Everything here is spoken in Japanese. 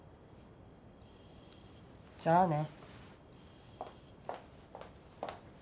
じゃあね。